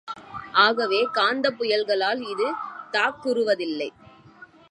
ஆகவே, காந்தப்புயல்களால் இது தாக்குறுவதில்லை.